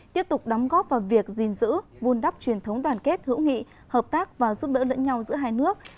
tiếp tục đóng góp vào việc gìn giữ vun đắp truyền thống đoàn kết hữu nghị hợp tác và giúp đỡ lẫn nhau giữa hai nước